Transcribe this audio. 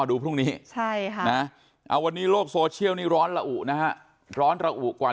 ดูพรุ่งนี้ใช่ค่ะนะวันนี้โลกโซเชียลนี้ร้อนระอุนะฮะร้อนระอุกว่า